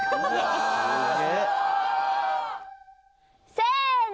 せの。